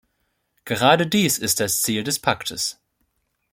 Gerade dies ist das Ziel des Paktes.